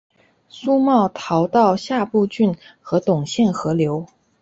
苏茂逃到下邳郡和董宪合流。